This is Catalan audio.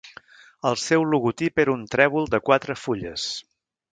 El seu logotip era un trèvol de quatre fulles.